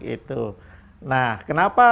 itu nah kenapa